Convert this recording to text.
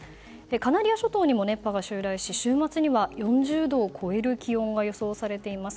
カナリア諸島にも熱波が襲来し週末には４０度を超える気温が予想されています。